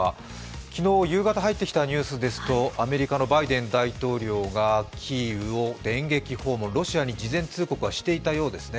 昨日夕方入ってきたニュースですと、アメリカのバイデン大統領がキーウを電撃訪問、ロシアに事前通告はしていたようですね。